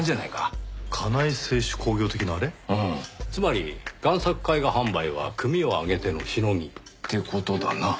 つまり贋作絵画販売は組を上げてのシノギ。って事だな。